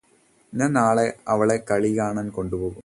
ഞാന് നാളെ അവളെ കളി കാണാൻ കൊണ്ടുപോകും